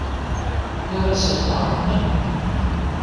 Arazal-a nnem.